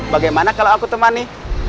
bagaimana kalau aku temani